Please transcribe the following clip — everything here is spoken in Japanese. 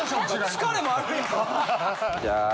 疲れもあるんやろな。